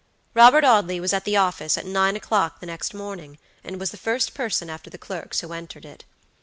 Robert Audley was at the office at nine o'clock the next morning, and was the first person after the clerks who entered it.